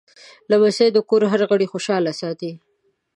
لمسی د کور هر غړی خوشحال ساتي.